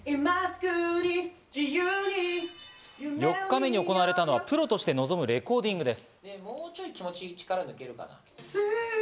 ４日目に行われたのはプロとして臨むレコーディングです。